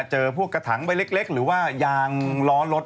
เจอพวกกระถังใบเล็กหรือว่ายางล้อรถ